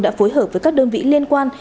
đã phối hợp với các đơn vị liên quan